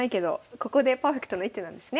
ここでパーフェクトな一手なんですね。